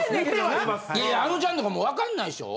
あのちゃんとかもうわかんないでしょう？